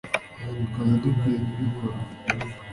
twari dukwiye kubikora